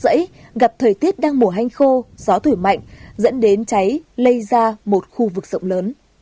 nguyên nhân cháy gặp thời tiết đang mùa hanh khô gió thủy mạnh dẫn đến cháy lây ra một khu vực rộng lớn